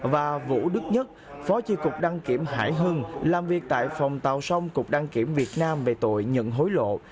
và vũ đức nhất phó chi cục đăng kiểm hải hưng làm việc tại phòng tàu sông cục đăng kiểm việt nam về tội nhận hối lộ